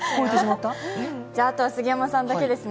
あとは杉山さんだけですね。